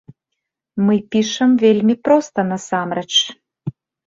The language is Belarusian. Мы пішам вельмі проста, насамрэч.